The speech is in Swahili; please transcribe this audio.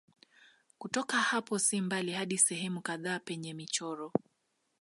Kutoka hapo si mbali hadi sehemu kadhaa penye michoro.